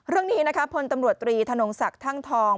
เรื่องนี้นะคะพลตำรวจตรีธนงศักดิ์ท่างทอง